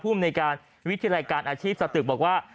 ภูมิในการวิทยาลัยการอาชีพสตึกบอกว่า